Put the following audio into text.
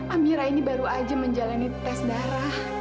amira ini baru aja menjalani tes darah